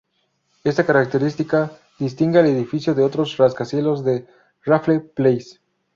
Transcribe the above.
Esta característica distingue al edificio de otros rascacielos de Raffles Place.